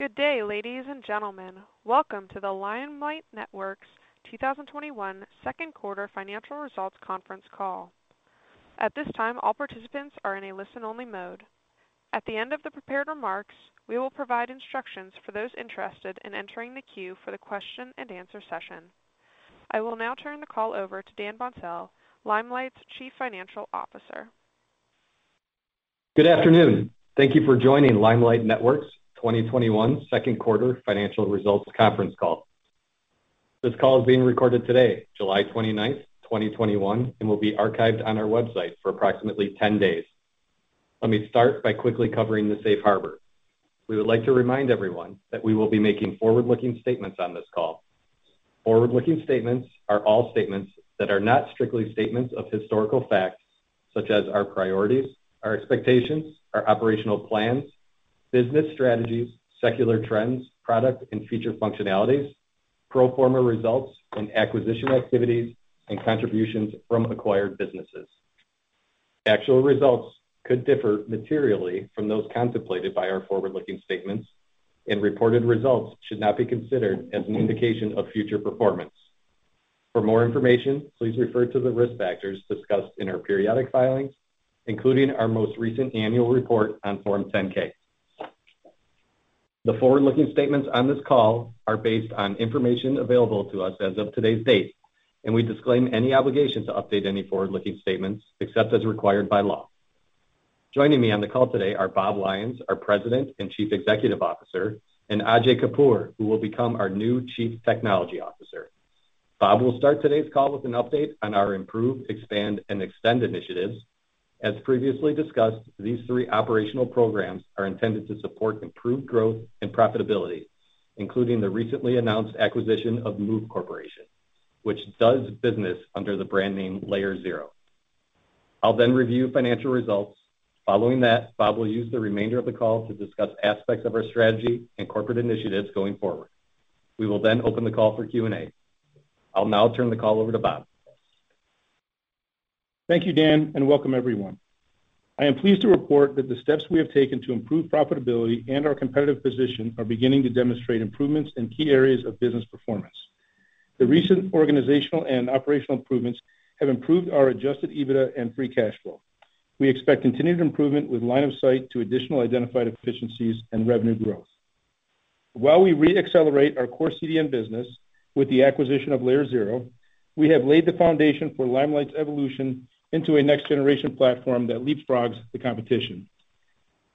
Good day, ladies and gentlemen. Welcome to the Limelight Networks 2021 second quarter financial results conference call. At this time all participants are in litsen-only mode. At the end of the prepared remarks, we will provide instructions for those interested in entering the queue for the question and answer session. I will now turn the call over to Daniel R. Boncel, Limelight's Chief Financial Officer. Good afternoon. Thank you for joining Limelight Networks' 2021 second quarter financial results conference call. This call is being recorded today, July 29th, 2021, and will be archived on our website for approximately 10 days. Let me start by quickly covering the safe harbor. We would like to remind everyone that we will be making forward-looking statements on this call. Forward-looking statements are all statements that are not strictly statements of historical facts, such as our priorities, our expectations, our operational plans, business strategies, secular trends, product and feature functionalities, pro forma results and acquisition activities, and contributions from acquired businesses. Actual results could differ materially from those contemplated by our forward-looking statements, and reported results should not be considered as an indication of future performance. For more information, please refer to the risk factors discussed in our periodic filings, including our most recent annual report on Form 10-K. The forward-looking statements on this call are based on information available to us as of today's date, and we disclaim any obligation to update any forward-looking statements, except as required by law. Joining me on the call today are Bob Lyons, our President and Chief Executive Officer, and Ajay Kapur, who will become our new Chief Technology Officer. Bob will start today's call with an update on our Improve, Expand, and Extend initiatives. As previously discussed, these three operational programs are intended to support improved growth and profitability, including the recently announced acquisition of Moov Corporation, which does business under the brand name Layer0. I'll review financial results. Following that, Bob will use the remainder of the call to discuss aspects of our strategy and corporate initiatives going forward. We will open the call for Q&A. I'll now turn the call over to Bob. Thank you, Dan, and welcome everyone. I am pleased to report that the steps we have taken to improve profitability and our competitive position are beginning to demonstrate improvements in key areas of business performance. The recent organizational and operational improvements have improved our adjusted EBITDA and free cash flow. We expect continued improvement with line of sight to additional identified efficiencies and revenue growth. While we re-accelerate our core CDN business with the acquisition of Layer0, we have laid the foundation for Limelight's evolution into a next-generation platform that leapfrogs the competition.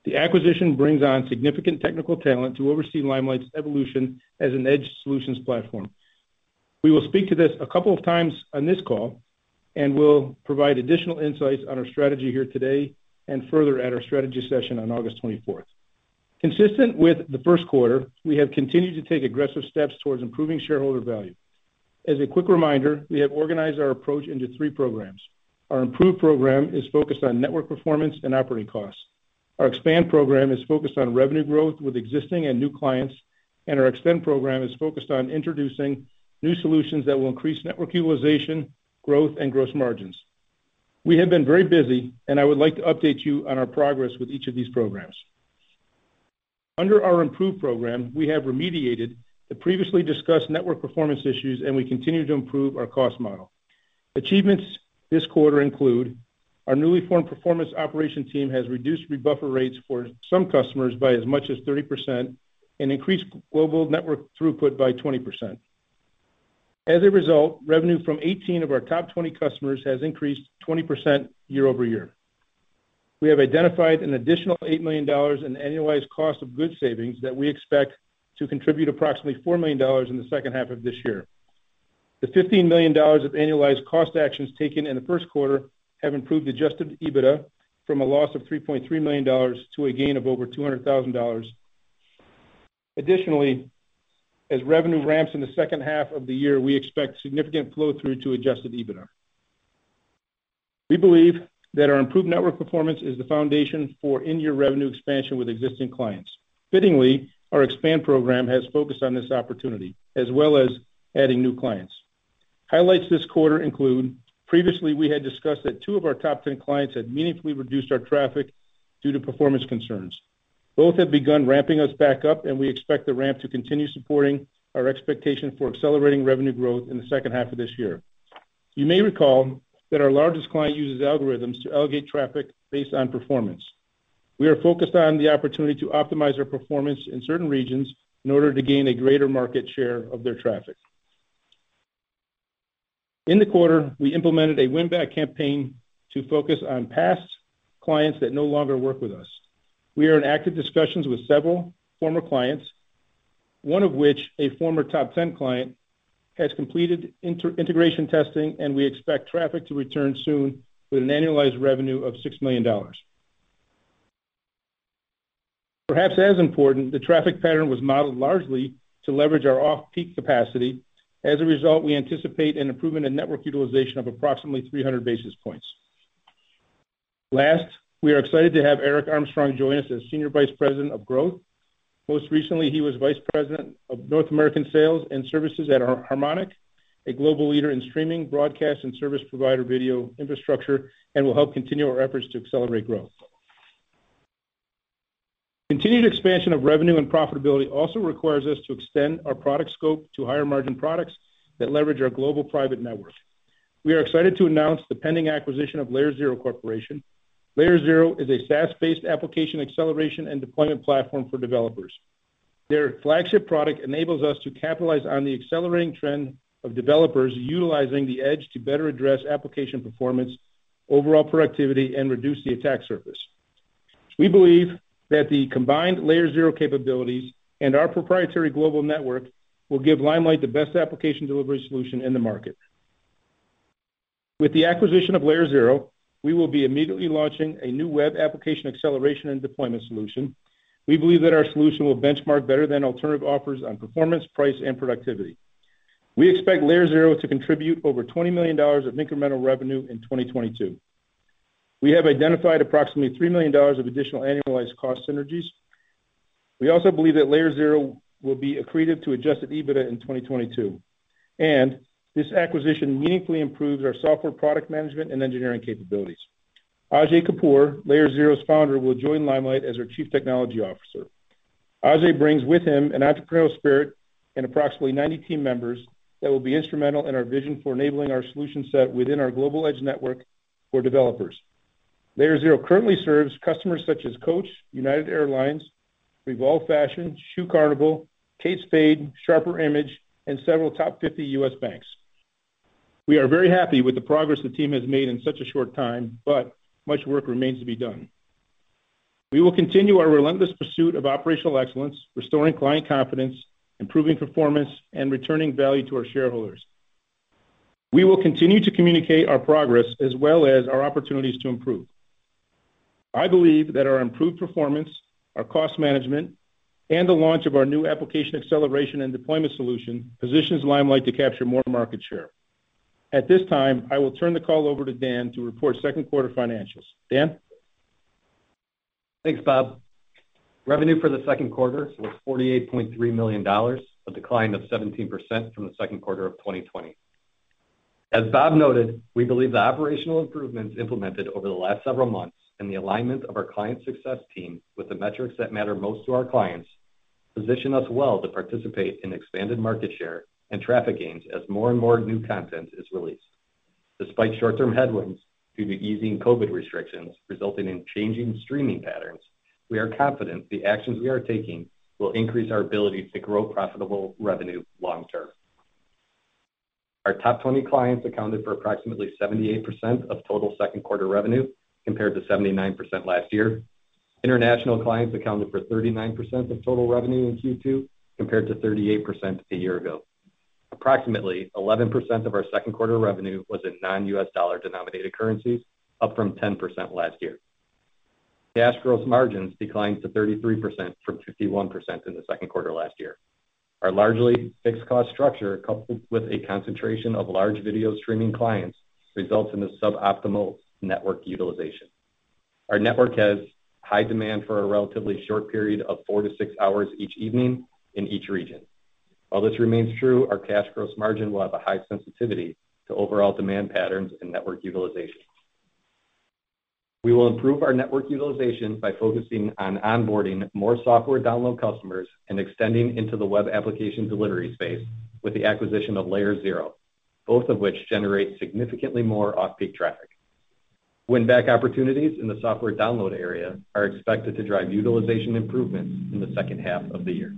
The acquisition brings on significant technical talent to oversee Limelight's evolution as an edge solutions platform. We will speak to this a couple of times on this call, and we'll provide additional insights on our strategy here today and further at our strategy session on August 24th. Consistent with the first quarter, we have continued to take aggressive steps towards improving shareholder value. As a quick reminder, we have organized our approach into three programs. Our improve program is focused on network performance and operating costs. Our expand program is focused on revenue growth with existing and new clients, and our extend program is focused on introducing new solutions that will increase network utilization, growth, and gross margins. We have been very busy, and I would like to update you on our progress with each of these programs. Under our improve program, we have remediated the previously discussed network performance issues, and we continue to improve our cost model. Achievements this quarter include our newly formed performance operation team has reduced rebuffer rates for some customers by as much as 30% and increased global network throughput by 20%. As a result, revenue from 18 of our top 20 customers has increased 20% year-over-year. We have identified an additional $8 million in annualized cost of goods savings that we expect to contribute approximately $4 million in the second half of this year. The $15 million of annualized cost actions taken in the first quarter have improved adjusted EBITDA from a loss of $3.3 million to a gain of over $200,000. Additionally, as revenue ramps in the second half of the year, we expect significant flow-through to adjusted EBITDA. We believe that our improved network performance is the foundation for in-year revenue expansion with existing clients. Fittingly, our expand program has focused on this opportunity, as well as adding new clients. Highlights this quarter include previously we had discussed that two of our top 10 clients had meaningfully reduced our traffic due to performance concerns. Both have begun ramping us back up. We expect the ramp to continue supporting our expectation for accelerating revenue growth in the second half of this year. You may recall that our largest client uses algorithms to allocate traffic based on performance. We are focused on the opportunity to optimize our performance in certain regions in order to gain a greater market share of their traffic. In the quarter, we implemented a win-back campaign to focus on past clients that no longer work with us. We are in active discussions with several former clients, one of which, a former top 10 client, has completed integration testing, and we expect traffic to return soon with an annualized revenue of $6 million. Perhaps as important, the traffic pattern was modeled largely to leverage our off-peak capacity. As a result, we anticipate an improvement in network utilization of approximately 300 basis points. Last, we are excited to have Eric Armstrong join us as Senior Vice President of Growth. Most recently, he was Vice President of North American Sales and Services at Harmonic, a global leader in streaming, broadcast, and service provider video infrastructure, and will help continue our efforts to accelerate growth. Continued expansion of revenue and profitability also requires us to extend our product scope to higher margin products that leverage our global private network. We are excited to announce the pending acquisition of Layer0 Corporation. Layer0 is a SaaS-based application acceleration and deployment platform for developers. Their flagship product enables us to capitalize on the accelerating trend of developers utilizing the edge to better address application performance, overall productivity, and reduce the attack surface. We believe that the combined Layer0 capabilities and our proprietary global network will give Limelight the best application delivery solution in the market. With the acquisition of Layer0, we will be immediately launching a new web application acceleration and deployment solution. We believe that our solution will benchmark better than alternative offers on performance, price, and productivity. We expect Layer0 to contribute over $20 million of incremental revenue in 2022. We have identified approximately $3 million of additional annualized cost synergies. We also believe that Layer0 will be accretive to adjusted EBITDA in 2022. This acquisition meaningfully improves our software product management and engineering capabilities. Ajay Kapur, Layer0's founder, will join Limelight as our Chief Technology Officer. Ajay brings with him an entrepreneurial spirit and approximately 90 team members that will be instrumental in our vision for enabling our solution set within our global edge network for developers. Layer0 currently serves customers such as Coach, United Airlines, Revolve, Shoe Carnival, Kate Spade, Sharper Image, and several top 50 U.S. banks. We are very happy with the progress the team has made in such a short time. Much work remains to be done. We will continue our relentless pursuit of operational excellence, restoring client confidence, improving performance, and returning value to our shareholders. We will continue to communicate our progress as well as our opportunities to improve. I believe that our improved performance, our cost management, and the launch of our new application acceleration and deployment solution positions Limelight Networks to capture more market share. At this time, I will turn the call over to Dan Boncel to report second quarter financials. Dan Boncel? Thanks, Bob. Revenue for the second quarter was $48.3 million, a decline of 17% from the second quarter of 2020. As Bob noted, we believe the operational improvements implemented over the last several months and the alignment of our client success team with the metrics that matter most to our clients position us well to participate in expanded market share and traffic gains as more and more new content is released. Despite short-term headwinds due to easing COVID restrictions resulting in changing streaming patterns, we are confident the actions we are taking will increase our ability to grow profitable revenue long term. Our top 20 clients accounted for approximately 78% of total second quarter revenue, compared to 79% last year. International clients accounted for 39% of total revenue in Q2, compared to 38% a year ago. Approximately 11% of our second quarter revenue was in non-U.S. dollar-denominated currencies, up from 10% last year. Cash gross margins declined to 33% from 51% in the second quarter last year. Our largely fixed cost structure, coupled with a concentration of large video streaming clients, results in a suboptimal network utilization. Our network has high demand for a relatively short period of four to six hours each evening in each region. While this remains true, our cash gross margin will have a high sensitivity to overall demand patterns and network utilization. We will improve our network utilization by focusing on onboarding more software download customers and extending into the web application delivery space with the acquisition of Layer0, both of which generate significantly more off-peak traffic. Win-back opportunities in the software download area are expected to drive utilization improvements in the second half of the year.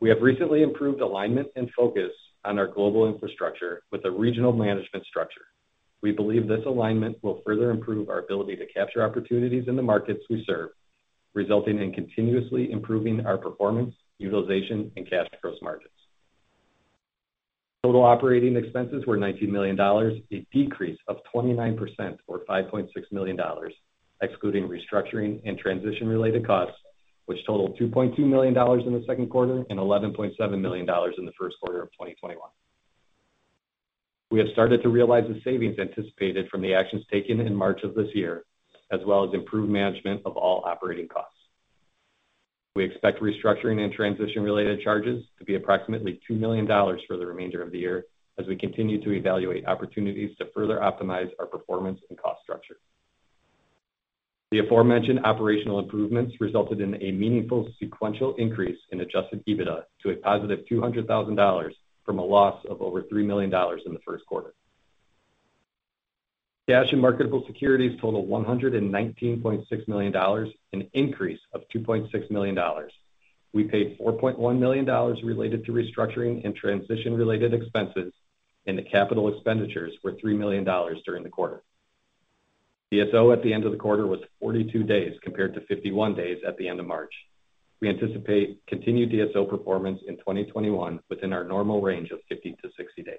We have recently improved alignment and focus on our global infrastructure with a regional management structure. We believe this alignment will further improve our ability to capture opportunities in the markets we serve, resulting in continuously improving our performance, utilization, and cash gross margins. Total operating expenses were $19 million, a decrease of 29%, or $5.6 million, excluding restructuring and transition-related costs, which totaled $2.2 million in the second quarter and $11.7 million in the first quarter of 2021. We have started to realize the savings anticipated from the actions taken in March of this year, as well as improved management of all operating costs. We expect restructuring and transition-related charges to be approximately $2 million for the remainder of the year as we continue to evaluate opportunities to further optimize our performance and cost structure. The aforementioned operational improvements resulted in a meaningful sequential increase in adjusted EBITDA to a positive $200,000 from a loss of over $3 million in the first quarter. Cash and marketable securities total $119.6 million, an increase of $2.6 million. We paid $4.1 million related to restructuring and transition-related expenses, and the capital expenditures were $3 million during the quarter. DSO at the end of the quarter was 42 days, compared to 51 days at the end of March. We anticipate continued DSO performance in 2021 within our normal range of 50 to 60 days.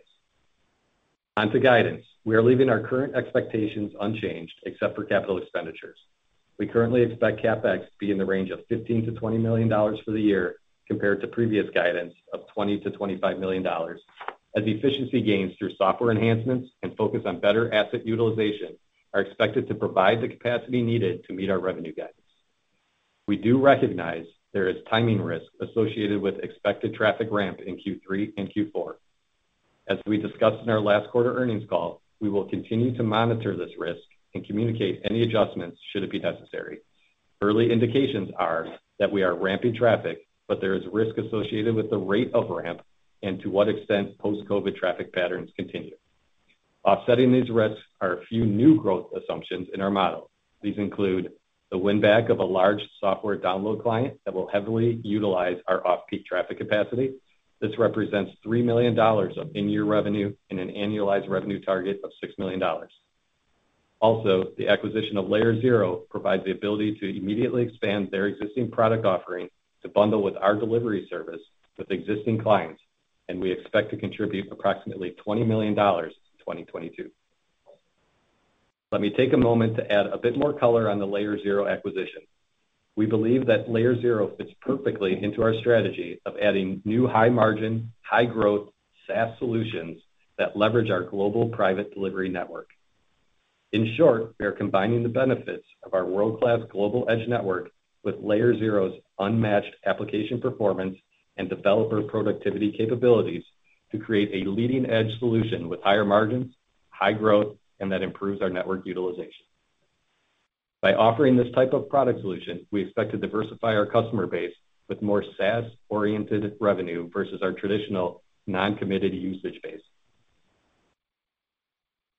On to guidance. We are leaving our current expectations unchanged except for capital expenditures. We currently expect CapEx to be in the range of $15 million-$20 million for the year, compared to previous guidance of $20 million-$25 million, as efficiency gains through software enhancements and focus on better asset utilization are expected to provide the capacity needed to meet our revenue guide. We do recognize there is timing risk associated with expected traffic ramp in Q3 and Q4. As we discussed in our last quarter earnings call, we will continue to monitor this risk and communicate any adjustments should it be necessary. Early indications are that we are ramping traffic, but there is risk associated with the rate of ramp and to what extent post-COVID traffic patterns continue. Offsetting these risks are a few new growth assumptions in our model. These include the win-back of a large software download client that will heavily utilize our off-peak traffic capacity. This represents $3 million of in-year revenue and an annualized revenue target of $6 million. Also, the acquisition of Layer0 provides the ability to immediately expand their existing product offering to bundle with our delivery service with existing clients, and we expect to contribute approximately $20 million in 2022. Let me take a moment to add a bit more color on the Layer0 acquisition. We believe that Layer0 fits perfectly into our strategy of adding new high-margin, high-growth, SaaS solutions that leverage our global private delivery network. In short, we are combining the benefits of our world-class global edge network with Layer0's unmatched application performance and developer productivity capabilities to create a leading-edge solution with higher margins, high growth, and that improves our network utilization. By offering this type of product solution, we expect to diversify our customer base with more SaaS-oriented revenue versus our traditional non-committed usage base.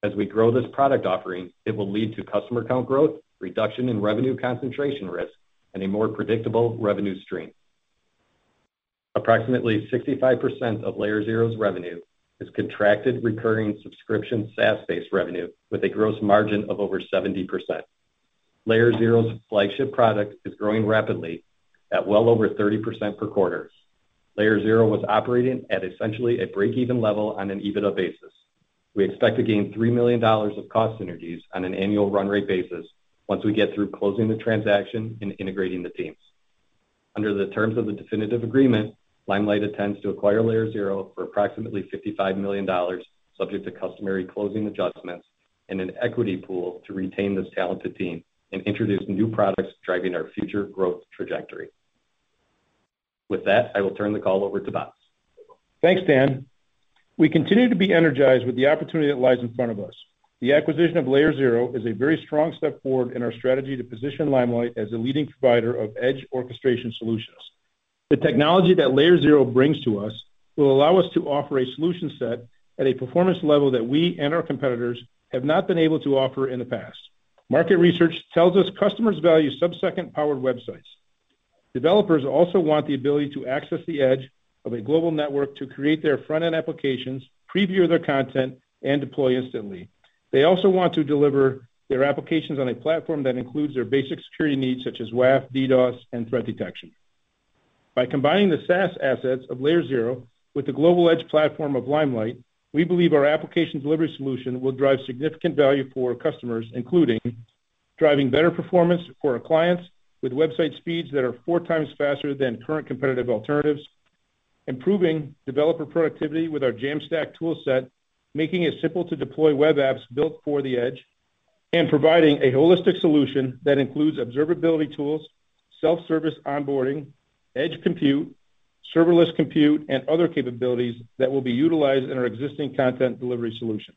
As we grow this product offering, it will lead to customer count growth, reduction in revenue concentration risk, and a more predictable revenue stream. Approximately 65% of Layer0's revenue is contracted recurring subscription SaaS-based revenue with a gross margin of over 70%. Layer0's flagship product is growing rapidly at well over 30% per quarter. Layer0 was operating at essentially a break-even level on an EBITDA basis. We expect to gain $3 million of cost synergies on an annual run rate basis once we get through closing the transaction and integrating the teams. Under the terms of the definitive agreement, Limelight intends to acquire Layer0 for approximately $55 million, subject to customary closing adjustments and an equity pool to retain this talented team and introduce new products driving our future growth trajectory. With that, I will turn the call over to Bob. Thanks, Dan. We continue to be energized with the opportunity that lies in front of us. The acquisition of Layer0 is a very strong step forward in our strategy to position Limelight as a leading provider of edge orchestration solutions. The technology that Layer0 brings to us will allow us to offer a solution set at a performance level that we and our competitors have not been able to offer in the past. Market research tells us customers value subsecond-powered websites. Developers also want the ability to access the edge of a global network to create their front-end applications, preview their content, and deploy instantly. They also want to deliver their applications on a platform that includes their basic security needs, such as WAF, DDoS, and threat detection. By combining the SaaS assets of Layer0 with the global edge platform of Limelight, we believe our application delivery solution will drive significant value for customers, including driving better performance for our clients with website speeds that are 4x faster than current competitive alternatives. Improving developer productivity with our Jamstack tool set, making it simple to deploy web apps built for the edge, and providing a holistic solution that includes observability tools, self-service onboarding, edge compute, serverless compute, and other capabilities that will be utilized in our existing content delivery solution.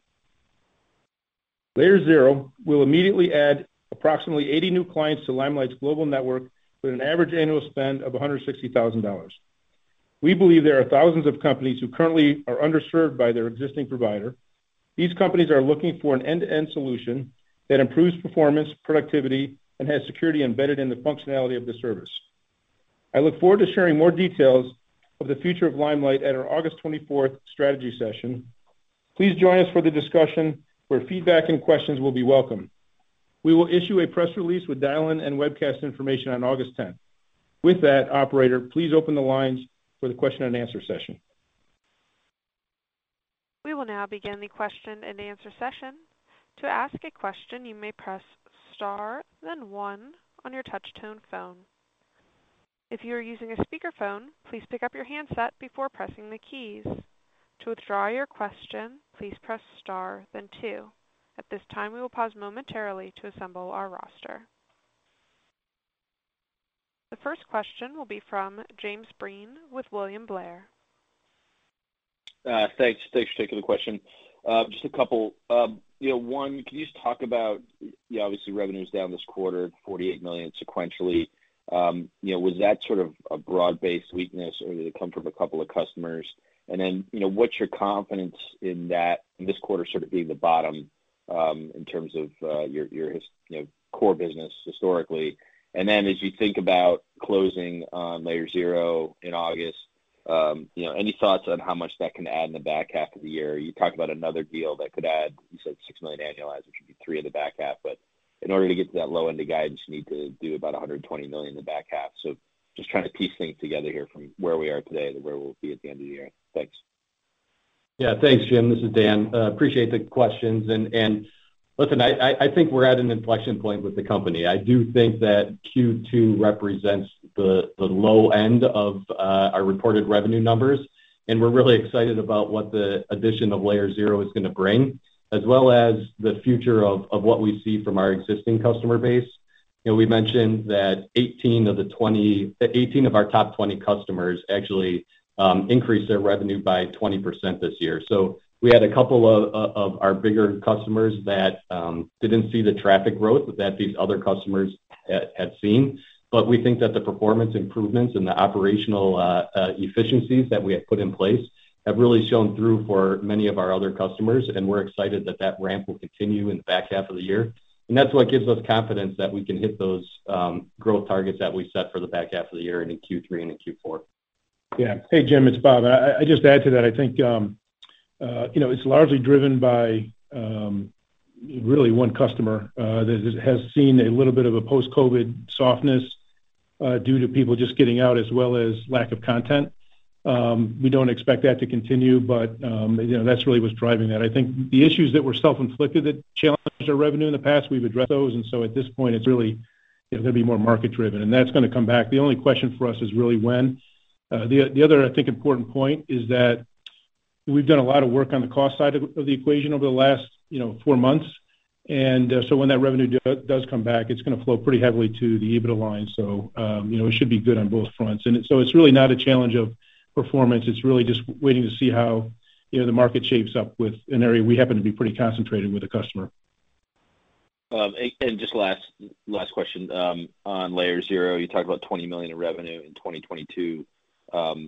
Layer0 will immediately add approximately 80 new clients to Limelight's global network with an average annual spend of $160,000. We believe there are thousands of companies who currently are underserved by their existing provider. These companies are looking for an end-to-end solution that improves performance, productivity, and has security embedded in the functionality of the service. I look forward to sharing more details of the future of Limelight at our August 24th strategy session. Please join us for the discussion, where feedback and questions will be welcome. We will issue a press release with dial-in and webcast information on August 10th. With that, operator, please open the lines for the question and answer session. We will now begin the question and answer session. To ask a question, you may press star, then one on your touchtone phone. If you are using a speakerphone, please pick up your handset before pressing the keys. To withdraw your question, please press star then two. At this time, we will pause momentarily to assemble our roster. The first question will be from James Breen with William Blair. Thanks for taking the question. Just a couple. One, can you just talk about, obviously, revenue's down this quarter, $48 million sequentially. Was that sort of a broad-based weakness, or did it come from a couple of customers? What's your confidence in this quarter sort of being the bottom in terms of your core business historically? As you think about closing on Layer0 in August, any thoughts on how much that can add in the back half of the year? You talked about another deal that could add, you said $6 million annualized, which would be $3 million in the back half. In order to get to that low end of guidance, you need to do about $120 million in the back half. Just trying to piece things together here from where we are today to where we'll be at the end of the year. Thanks. Yeah, thanks, Jim. This is Dan. Listen, appreciate the questions. Litsen I think we are at an inflection point with the company. I do think that Q2 represents the low end of our reported revenue numbers, and we're really excited about what the addition of Layer0 is going to bring, as well as the future of what we see from our existing customer base. We mentioned that 18 of our top 20 customers actually increased their revenue by 20% this year. We had a couple of our bigger customers that didn't see the traffic growth that these other customers had seen. We think that the performance improvements and the operational efficiencies that we have put in place have really shown through for many of our other customers, and we're excited that that ramp will continue in the back half of the year. That's what gives us confidence that we can hit those growth targets that we set for the back half of the year and in Q3 and in Q4. Yeah. Hey, Jim, it's Bob. I just add to that, I think it's largely driven by really one customer that has seen a little bit of a post-COVID softness due to people just getting out, as well as lack of content. We don't expect that to continue, but that's really what's driving that. I think the issues that were self-inflicted that challenged our revenue in the past, we've addressed those. At this point, it's really going to be more market-driven, and that's going to come back. The only question for us is really when. The other, important point is that we've done a lot of work on the cost side of the equation over the last four months. When that revenue does come back, it's going to flow pretty heavily to the EBITDA line. It should be good on both fronts. It's really not a challenge of performance. It's really just waiting to see how the market shapes up with an area we happen to be pretty concentrated with a customer. Just last question. On Layer0, you talked about $20 million in revenue in 2022. Can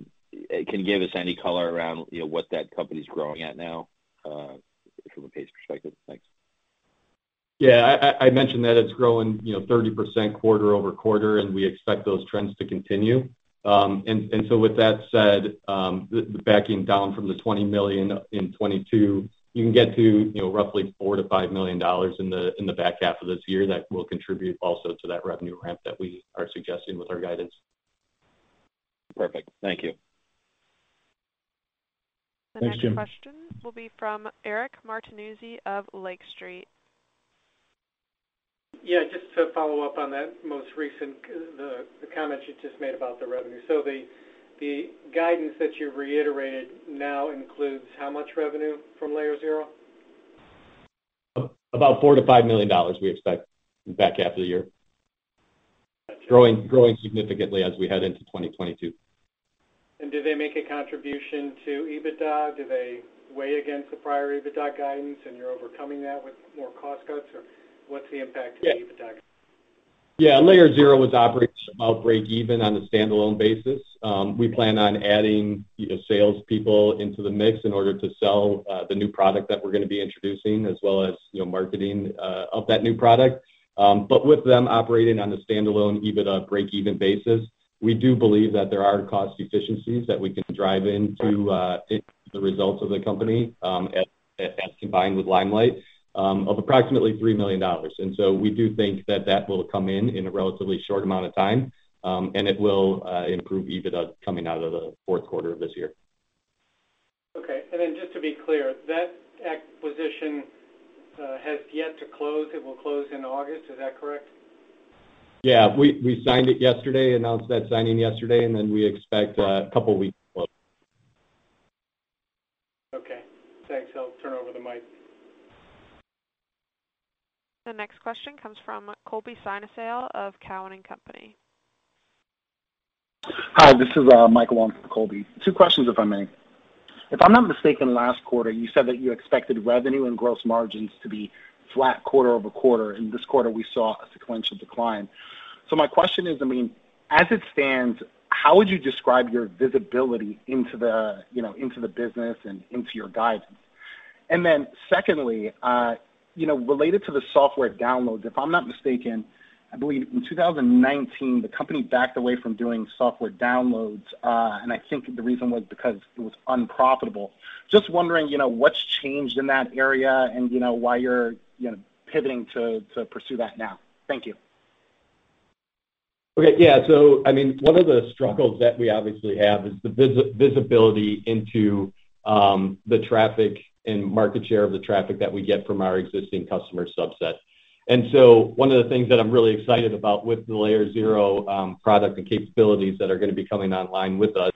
you give us any color around what that company's growing at now from a pace perspective? Thanks. Yeah, I mentioned that it's growing 30% quarter-over-quarter, and we expect those trends to continue. With that said, the backing down from the $20 million in 2022, you can get to roughly $4 million-$5 million in the back half of this year that will contribute also to that revenue ramp that we are suggesting with our guidance. Perfect. Thank you. Thanks, Jim. The next question will be from Eric Martinuzzi of Lake Street Capital Markets. Yeah, just to follow up on that most recent, the comment you just made about the revenue. The guidance that you've reiterated now includes how much revenue from Layer0? About $4 million-$5 million we expect in back half of the year. Growing significantly as we head into 2022. Do they make a contribution to EBITDA? Do they weigh against the prior EBITDA guidance and you're overcoming that with more cost cuts? What's the impact to the EBITDA? Yeah. Layer0 was operating about break-even on a standalone basis. We plan on adding salespeople into the mix in order to sell the new product that we're going to be introducing, as well as marketing of that new product. With them operating on a standalone EBITDA break-even basis, we do believe that there are cost efficiencies that we can drive into the results of the company as combined with Limelight of approximately $3 million. We do think that that will come in in a relatively short amount of time, and it will improve EBITDA coming out of the fourth quarter of this year. Okay. Just to be clear, that acquisition has yet to close. It will close in August, is that correct? Yeah. We signed it yesterday, announced that signing yesterday, and then we expect couple weeks close. Okay. Thanks. I'll turn over the mic. The next question comes from Colby Synesael of Cowen and Company. Hi, this is Mike Elias for Colby. Two questions, if I may. If I'm not mistaken, last quarter you said that you expected revenue and gross margins to be flat quarter-over-quarter. In this quarter, we saw a sequential decline. My question is, as it stands, how would you describe your visibility into the business and into your guidance? Secondly, related to the software downloads, if I'm not mistaken, I believe in 2019 the company backed away from doing software downloads. I think the reason was because it was unprofitable. Just wondering what's changed in that area and why you're pivoting to pursue that now. Thank you. Okay. Yeah. One of the struggles that we obviously have is the visibility into the traffic and market share of the traffic that we get from our existing customer subset. One of the things that I'm really excited about with the Layer0 product and capabilities that are going to be coming online with us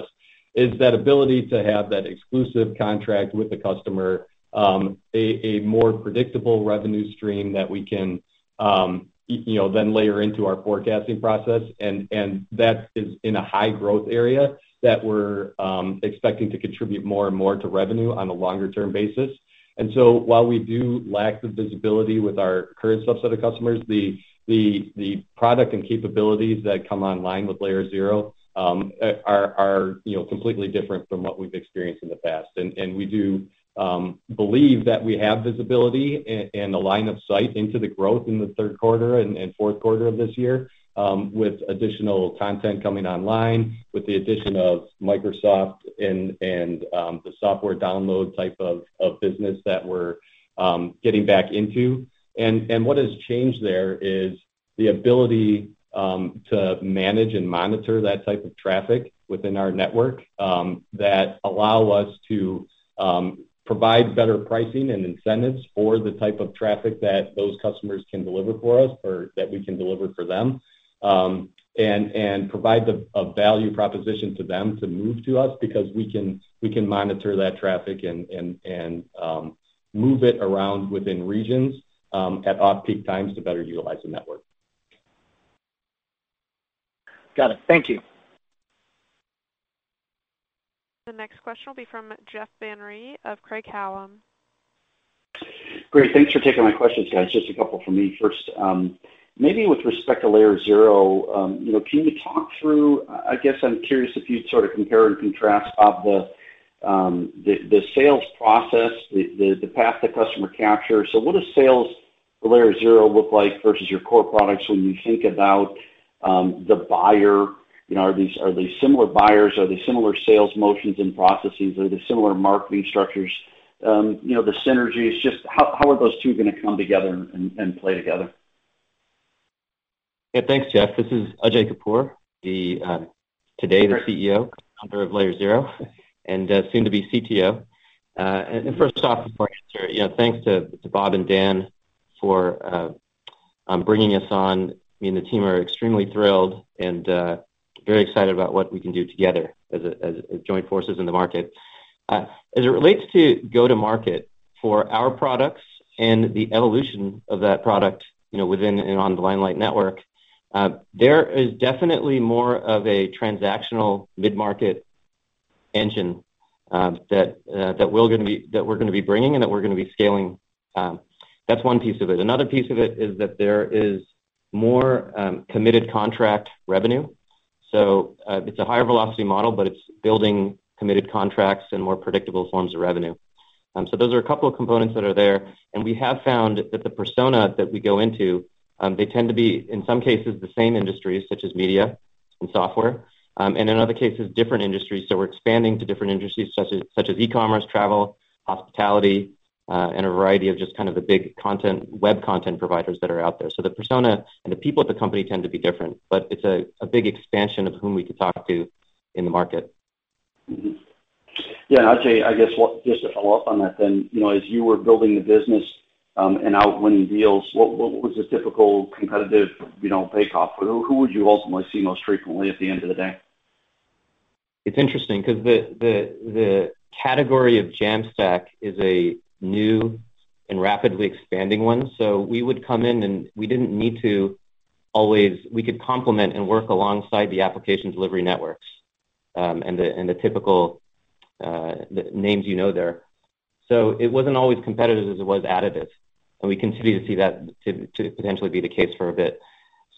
is that ability to have that exclusive contract with the customer, a more predictable revenue stream that we can then layer into our forecasting process. That is in a high growth area that we're expecting to contribute more and more to revenue on a longer term basis. While we do lack the visibility with our current subset of customers, the product and capabilities that come online with Layer0 are completely different from what we've experienced in the past. We do believe that we have visibility and the line of sight into the growth in the third quarter and fourth quarter of this year with additional content coming online, with the addition of Microsoft and the software download type of business that we're getting back into. What has changed there is the ability to manage and monitor that type of traffic within our network that allow us to provide better pricing and incentives for the type of traffic that those customers can deliver for us or that we can deliver for them. Provide a value proposition to them to move to us because we can monitor that traffic and move it around within regions at off-peak times to better utilize the network. Got it. Thank you. The next question will be from Jeff Van Rhee of Craig-Hallum. Great. Thanks for taking my questions, guys. Just a couple from me. First, maybe with respect to Layer0, can you talk through, I'm curious if you'd sort of compare and contrast the sales process, the path to customer capture. What does sales for Layer0 look like versus your core products when you think about the buyer? Are these similar buyers? Are they similar sales motions and processes? Are they similar marketing structures? The synergies, just how are those two going to come together and play together? Yeah. Thanks, Jeff. This is Ajay Kapur, today, the CEO, founder of Layer0, and soon to be CTO. First off, before I answer, thanks to Bob and Dan for bringing us on. Me and the team are extremely thrilled and very excited about what we can do together as joint forces in the market. As it relates to go-to-market for our products and the evolution of that product within and on the Limelight Networks, there is definitely more of a transactional mid-market engine that we're going to be bringing and that we're going to be scaling. That's one piece of it. Another piece of it is that there is more committed contract revenue. It's a higher velocity model, but it's building committed contracts and more predictable forms of revenue. Those are a couple of components that are there. We have found that the persona that we go into, they tend to be, in some cases, the same industries, such as media and software, and in other cases, different industries. We're expanding to different industries such as e-commerce, travel, hospitality, and a variety of just kind of the big web content providers that are out there. The persona and the people at the company tend to be different, but it's a big expansion of whom we could talk to in the market. Yeah, Ajay, just to follow up on that, as you were building the business and out winning deals, what was the typical competitive payoff? Who would you ultimately see most frequently at the end of the day? It's interesting because the category of Jamstack is a new and rapidly expanding one. We would come in and we could complement and work alongside the application delivery networks, and the typical names you know there. It wasn't always competitive as it was additive, and we continue to see that to potentially be the case for a bit.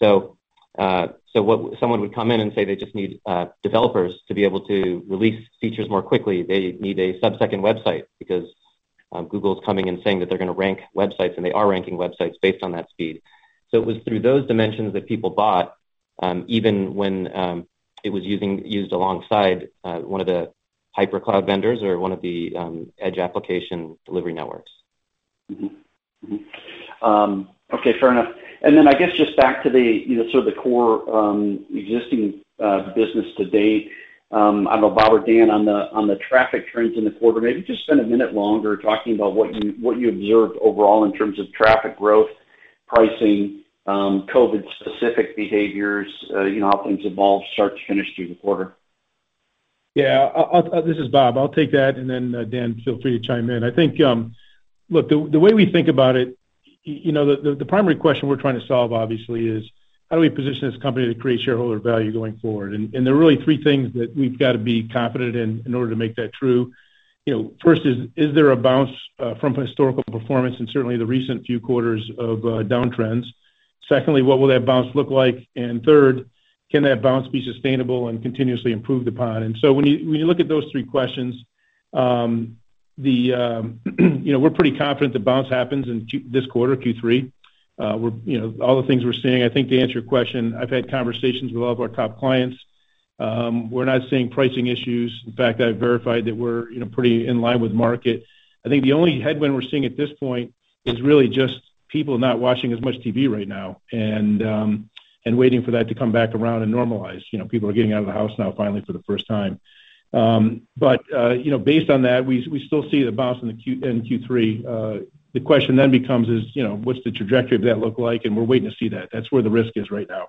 Someone would come in and say they just need developers to be able to release features more quickly. They need a sub-second website because Google's coming and saying that they're going to rank websites, and they are ranking websites based on that speed. It was through those dimensions that people bought, even when it was used alongside one of the hyperscale cloud vendors or one of the edge application delivery networks. Okay, fair enough. I guess just back to the sort of the core existing business to date. I don't know, Bob or Dan, on the traffic trends in the quarter, maybe just spend a minute longer talking about what you observed overall in terms of traffic growth, pricing, COVID-specific behaviors, how things evolved start to finish through the quarter. Yeah. This is Bob. I'll take that, and then Dan, feel free to chime in. I think, look, the way we think about it, the primary question we're trying to solve, obviously, is how do we position this company to create shareholder value going forward? There are really three things that we've got to be confident in in order to make that true. First is there a bounce from historical performance and certainly the recent few quarters of downtrends? Secondly, what will that bounce look like? Third, can that bounce be sustainable and continuously improved upon? When you look at those three questions, we're pretty confident the bounce happens in this quarter, Q3. All the things we're seeing, I think to answer your question, I've had conversations with all of our top clients. We're not seeing pricing issues. In fact, I've verified that we're pretty in line with market. I think the only headwind we're seeing at this point is really just people not watching as much TV right now and waiting for that to come back around and normalize. People are getting out of the house now, finally, for the first time. Based on that, we still see the bounce in Q3. The question becomes is, what's the trajectory of that look like? We're waiting to see that. That's where the risk is right now.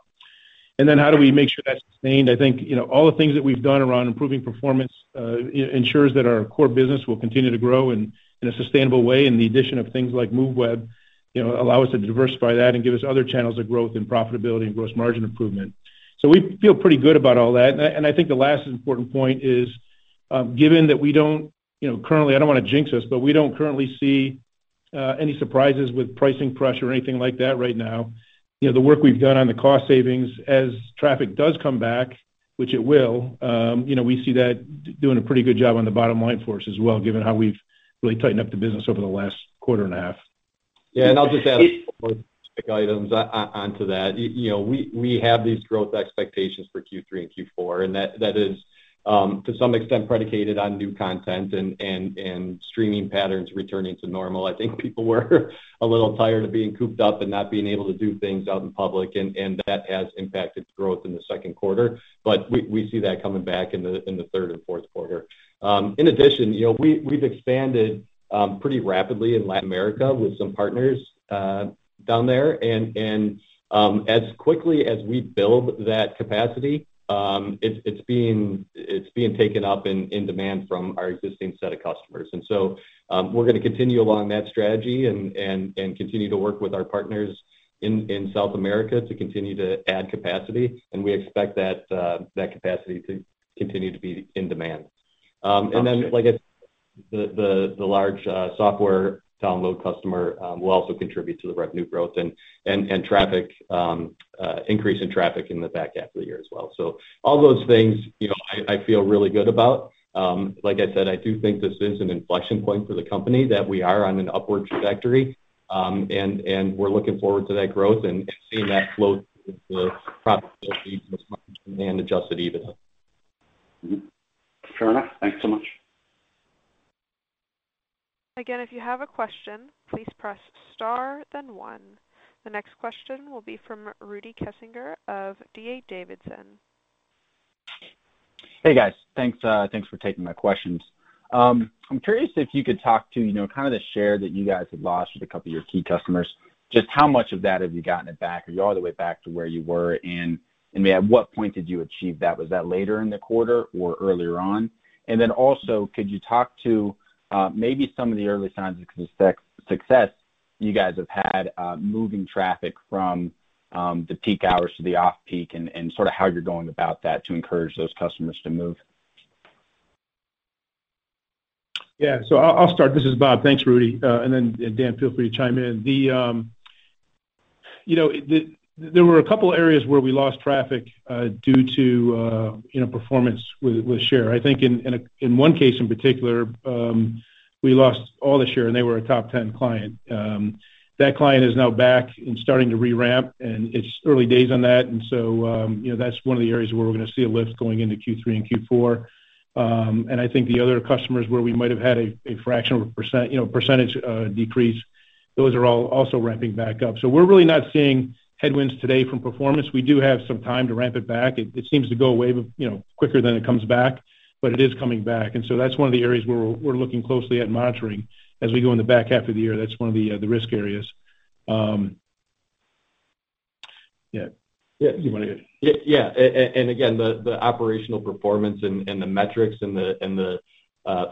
How do we make sure that's sustained? I think all the things that we've done around improving performance ensures that our core business will continue to grow in a sustainable way. The addition of things like Moovweb allow us to diversify that and give us other channels of growth and profitability and gross margin improvement. We feel pretty good about all that. The last important point is, given that we don't currently, I don't want to jinx us, but we don't currently see any surprises with pricing pressure or anything like that right now. The work we've done on the cost savings as traffic does come back, which it will, we see that doing a pretty good job on the bottom line for us as well, given how we've really tightened up the business over the last quarter and a half. Yeah, I'll just add a couple more specific items onto that. We have these growth expectations for Q3 and Q4, and that is, to some extent, predicated on new content and streaming patterns returning to normal. People were a little tired of being cooped up and not being able to do things out in public, and that has impacted growth in the second quarter. We see that coming back in the third and fourth quarter. In addition, we've expanded pretty rapidly in Latin America with some partners down there. As quickly as we build that capacity, it's being taken up in demand from our existing set of customers. We're going to continue along that strategy and continue to work with our partners in South America to continue to add capacity. We expect that capacity to continue to be in demand. The large software download customer will also contribute to the revenue growth and increase in traffic in the back half of the year as well. All those things, I feel really good about. Like I said, I do think this is an inflection point for the company, that we are on an upward trajectory. We're looking forward to that growth and seeing that flow through the profitability in this market and adjusted EBITDA. Fair enough. Thanks so much. Again, if you have a question, please press star then one. The next question will be from Rudy Kessinger of D.A. Davidson. Hey, guys. Thanks for taking my questions. I'm curious if you could talk to kind of the share that you guys have lost with a couple of your key customers? Just how much of that have you gotten it back? Are you all the way back to where you were? At what point did you achieve that? Was that later in the quarter or earlier on? Could you talk to maybe some of the early signs of success you guys have had moving traffic from the peak hours to the off-peak, and sort of how you're going about that to encourage those customers to move? Yeah. I'll start. This is Bob. Thanks, Rudy. Then Dan, feel free to chime in. There were a couple areas where we lost traffic due to performance with Sharper Image. In one case in particular, we lost all the Sharper Image, and they were a top 10 client. That client is now back and starting to re-ramp, and it's early days on that. That's one of the areas where we're going to see a lift going into Q3 and Q4. I think the other customers where we might have had a fraction of a percentage decrease, those are all also ramping back up. We're really not seeing headwinds today from performance. We do have some time to ramp it back. It seems to go away quicker than it comes back, but it is coming back. That's one of the areas where we're looking closely at monitoring as we go in the back half of the year. That's one of the risk areas. Yeah. Again, the operational performance and the metrics and the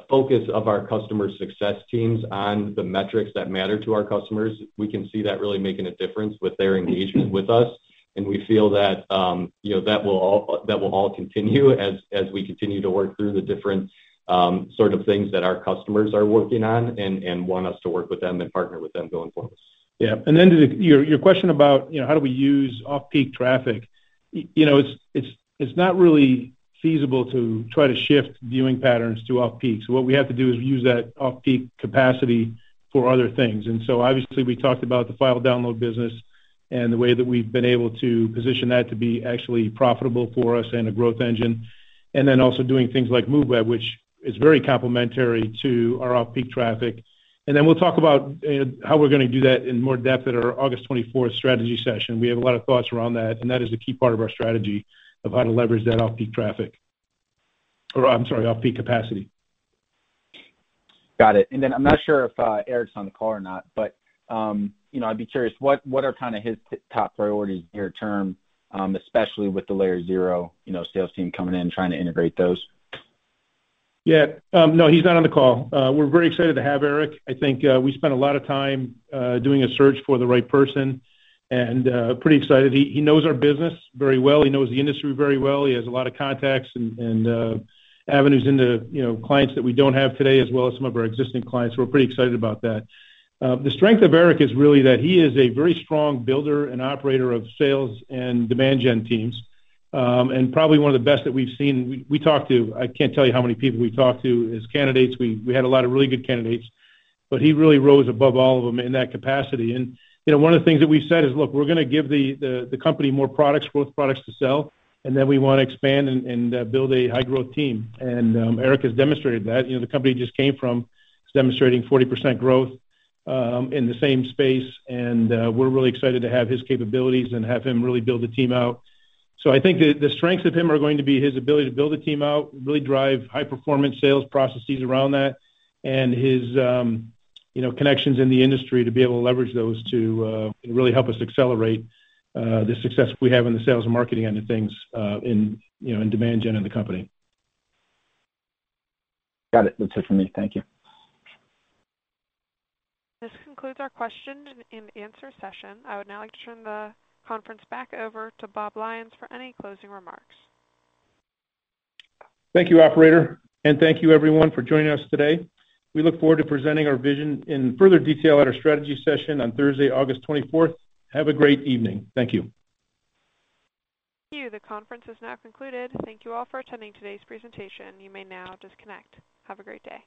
focus of our customer success teams on the metrics that matter to our customers, we can see that really making a difference with their engagement with us. We feel that will all continue as we continue to work through the different sort of things that our customers are working on and want us to work with them and partner with them going forward. Yeah. To your question about how do we use off-peak traffic. It's not really feasible to try to shift viewing patterns to off-peak. What we have to do is use that off-peak capacity for other things. Obviously, we talked about the file download business and the way that we've been able to position that to be actually profitable for us and a growth engine. Also doing things like Moovweb, which is very complementary to our off-peak traffic. We'll talk about how we're going to do that in more depth at our August 24th strategy session. We have a lot of thoughts around that, and that is a key part of our strategy of how to leverage that off-peak traffic. I'm sorry, off-peak capacity. Got it. Then I'm not sure if Eric's on the call or not, but, I'd be curious, what are kind of his top priorities near term, especially with the Layer0 sales team coming in, trying to integrate those? Yeah. No, he's not on the call. We're very excited to have Eric. We spent a lot of time doing a search for the right person, and pretty excited. He knows our business very well. He knows the industry very well. He has a lot of contacts and avenues into clients that we don't have today as well as some of our existing clients. We're pretty excited about that. The strength of Eric is really that he is a very strong builder and operator of sales and demand gen teams. Probably one of the best that we've seen. I can't tell you how many people we've talked to as candidates. We had a lot of really good candidates. He really rose above all of them in that capacity. One of the things that we've said is, Look, we're going to give the company more products, growth products to sell, and then we want to expand and build a high-growth team. Eric Sivert has demonstrated that. The company he just came from is demonstrating 40% growth in the same space, and we're really excited to have his capabilities and have him really build the team out. I think the strengths of him are going to be his ability to build a team out, really drive high-performance sales processes around that, and his connections in the industry to be able to leverage those to really help us accelerate the success we have in the sales and marketing end of things in demand gen in the company. Got it. That's it for me. Thank you. This concludes our question and answer session. I would now like to turn the conference back over to Bob Lyons for any closing remarks. Thank you, operator. Thank you everyone for joining us today. We look forward to presenting our vision in further detail at our strategy session on Thursday, August 24th. Have a great evening. Thank you. Thank you. The conference is now concluded. Thank you all for attending today's presentation. You may now disconnect. Have a great day.